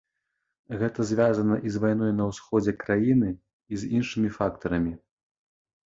Гэта звязана і з вайной на ўсходзе краіны, і з іншымі фактарамі.